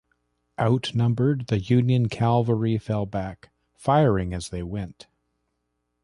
Outnumbered, the Union cavalry fell back, firing as they went.